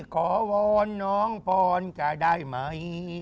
ขอวอนน้องพรจะได้ไหม